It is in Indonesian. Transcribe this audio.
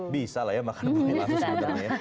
bisa lah ya makan buahnya langsung